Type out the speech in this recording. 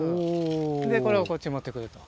でこれをこっちに持って来ると。